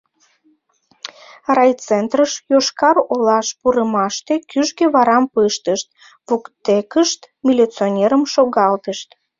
Райцентрыш, Йошкар-Олаш пурымаште кӱжгӧ варам пыштышт, воктекышт милиционерым шогалтышт.